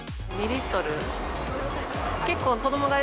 ２リットル。